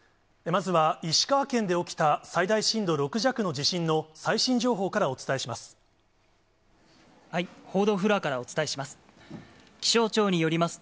まずは石川県で起きた、最大震度６弱の地震の最新情報からお伝えします。